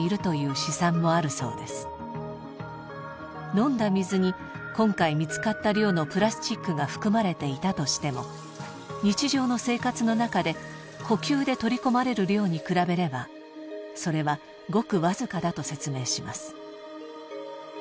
飲んだ水に今回見つかった量のプラスチックが含まれていたとしても日常の生活の中で呼吸で取り込まれる量に比べればそれはごくわずかだと説明します。